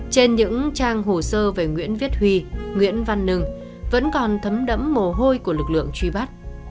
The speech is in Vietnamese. trên những trang hồ sơ về nguyễn viết huy nguyễn văn nưng vẫn còn thấm đẫm mồ hôi của lực lượng truy bắt